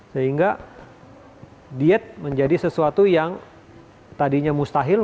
sehingga diet menjadi sesuatu yang tadinya mustahil